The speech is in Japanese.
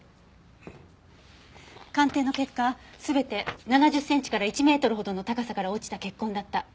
鑑定の結果全て７０センチから１メートルほどの高さから落ちた血痕だった。